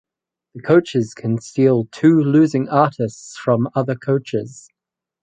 The coaches can steal two losing artists from other coaches.